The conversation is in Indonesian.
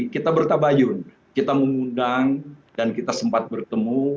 kita mengundang dan kita sempat bertemu